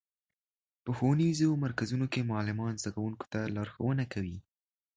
په ښوونیزو مرکزونو کې معلمان زدهکوونکو ته لارښوونه کوي.